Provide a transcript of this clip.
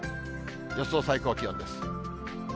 予想最高気温です。